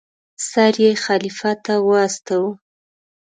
سر یې خلیفه ته واستاوه.